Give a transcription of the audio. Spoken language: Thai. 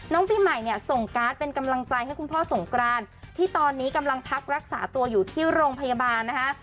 ปีใหม่เนี่ยส่งการ์ดเป็นกำลังใจให้คุณพ่อสงกรานที่ตอนนี้กำลังพักรักษาตัวอยู่ที่โรงพยาบาลนะคะ